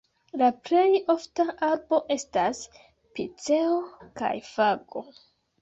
La plej ofta arbo estas piceo kaj fago.